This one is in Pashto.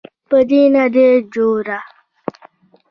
په ده نه ده جوړه.